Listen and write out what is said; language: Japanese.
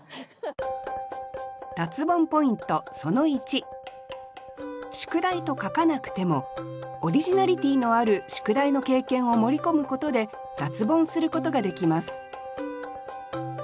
脱ボンポイントその１「宿題」と書かなくてもオリジナリティーのある「宿題」の経験を盛り込むことで脱ボンすることができます